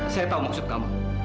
saya tahu maksud kamu